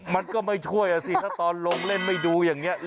มันก็ไม่ช่วยอ่ะสิถ้าตอนลงเล่นไม่ดูอย่างนี้